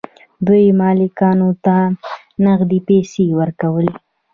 دوی مالکانو ته نغدې پیسې ورکولې.